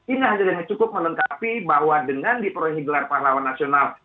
ini hanya dengan cukup menengkapi bahwa dengan diprohigelar pahlawan nasional